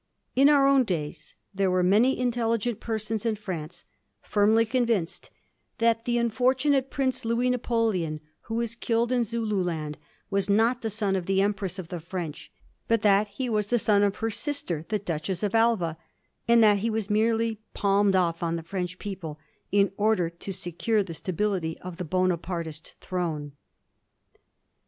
In our own days there were many intelligent persons in France firmly convinced that the unfortunate Prince Louis Napoleon, who was killed in Zululand, was not the son of the Empress of the French, but that he was the son of her sister, the Duchess of Alva, and that he was merely palmed off on the French people in order to secure the stability of the Bonapartist throne.